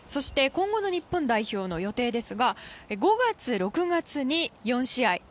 今後の日本代表の予定ですが５月、６月に４試合。